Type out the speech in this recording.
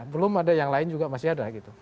belum ada yang lain juga masih ada gitu